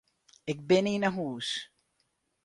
Ik bin yn 'e hûs.